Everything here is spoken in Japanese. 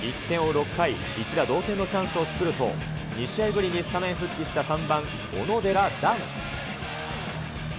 ６回、一打同点のチャンスを作ると、２試合ぶりにスタメン復帰した３番小野寺暖。